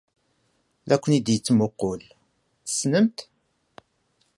La ken-id-yettmuqqul. Tessnem-t?